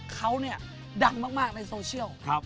เขาเนี่ยดังมากในโซเชียล